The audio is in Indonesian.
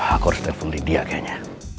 aku harus telepon lydia kayaknya